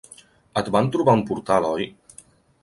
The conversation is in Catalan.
Et van trobar a un portal, oi?